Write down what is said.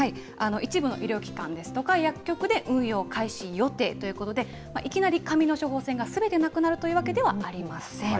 一部の医療機関ですとか、薬局で運用開始予定ということで、いきなり紙の処方箋がすべてなくなるというわけではありません。